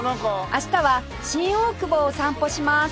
明日は新大久保を散歩します